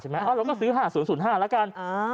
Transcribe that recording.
เราก็ซื้อ๕๐๐๕แล้วกัน